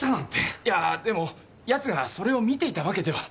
いやあでも奴がそれを見ていたわけでは。